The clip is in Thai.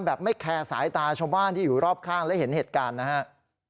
แบบไม่แคร์สายตาชาวบ้านที่อยู่รอบข้างและเห็นเหตุการณ์นะครับ